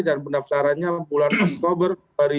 dan pendaftarannya bulan oktober dua ribu dua puluh tiga